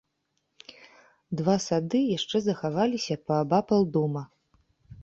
Два сады яшчэ захаваліся паабапал дома.